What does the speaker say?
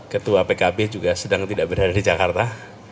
ketua pkb juga sedang tidak berada di jakarta